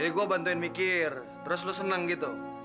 jadi gue bantuin mikir terus lu seneng gitu ya